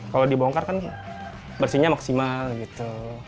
kalau dibongkar kan bersihnya maksimal gitu